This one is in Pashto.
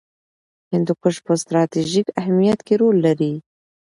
هندوکش په ستراتیژیک اهمیت کې رول لري.